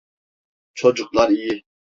Çocuklar iyi.